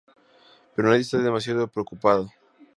Pero nadie está demasiado preocupado.